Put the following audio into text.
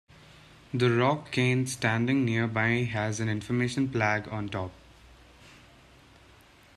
The rock cairn standing nearby has an information plaque on top.